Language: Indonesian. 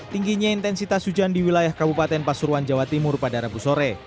tingginya intensitas hujan di wilayah kabupaten pasuruan jawa timur pada rabu sore